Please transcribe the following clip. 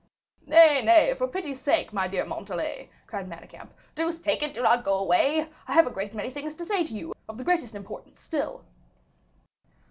"Nay, nay, for pity's sake, my dear Montalais," cried Manicamp, "deuce take it, do not go away; I have a great many things to say to you, of the greatest importance, still."